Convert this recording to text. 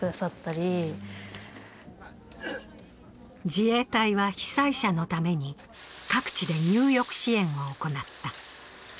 自衛隊は被災者のために各地で入浴支援を行った。